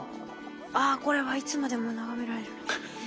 ああこれはいつまでも眺められるな。